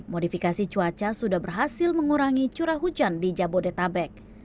modifikasi cuaca sudah berhasil mengurangi curah hujan di jabodetabek